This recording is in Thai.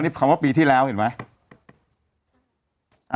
นี่คำว่าปีที่แล้วเห็นไหม